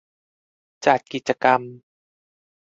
จัดกิจกรรม